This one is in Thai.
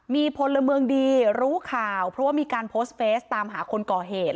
มีพลเมืองดีรู้ข่าวเพราะว่ามีการโพสต์เฟสตามหาคนก่อเหตุ